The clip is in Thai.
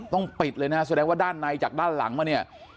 ต้องปิดเลยนะแสดงว่าด้านในจากด้านหลังมาเนี่ย